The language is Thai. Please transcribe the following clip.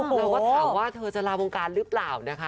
เราก็ถามว่าเธอจะลาวงการหรือเปล่านะคะ